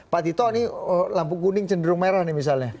pak tito ini lampu kuning cenderung merah nih misalnya